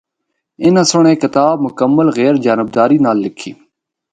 اُناں سنڑ اے کتاب مکمل غیر جانبداری نال لکھی۔